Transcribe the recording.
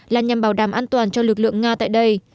là nhằm bảo đảm an toàn cho lực lượng nga tại đây